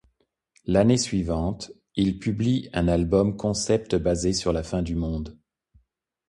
L'année suivante, ils publient ', un album concept basé sur la fin du monde.